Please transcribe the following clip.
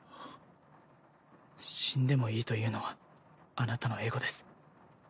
死んでもいいというのはあなたのエゴです